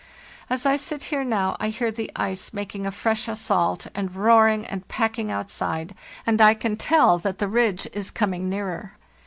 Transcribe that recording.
As I sit here now I hear the ice making a fresh assault, and roaring and packing outside, and I can tell that the ridge is coming nearer.